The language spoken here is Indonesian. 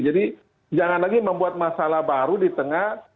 jadi jangan lagi membuat masalah baru di tengah